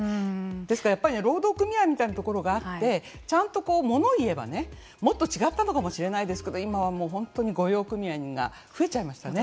ですから、やっぱり労働組合みたいなところがあってちゃんと物を言えばもっと違ったのかもしれないですけど今はもう本当に御用組合が増えちゃいましたね。